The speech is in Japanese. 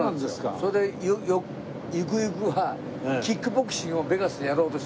それでゆくゆくはキックボクシングをベガスでやろうとしたんです。